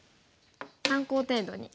参考程度に。